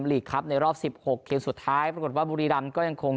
ลีกครับในรอบสิบหกเกมสุดท้ายปรากฏว่าบุรีรำก็ยังคง